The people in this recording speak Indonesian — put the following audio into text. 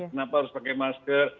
kenapa harus pakai masker